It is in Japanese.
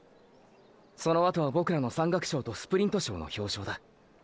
そのあとはボクらの山岳賞とスプリント賞の表彰だ。